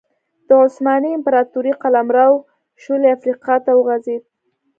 د عثماني امپراتورۍ قلمرو شولې افریقا ته وغځېد.